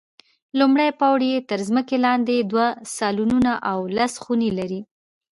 لومړی پوړ یې تر ځمکې لاندې دوه سالونونه او لس خونې لري.